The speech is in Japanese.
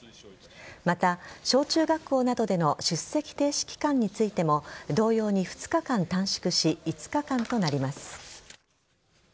また、小中学校などでの出席停止期間についても同様に２日間短縮し５日間となります。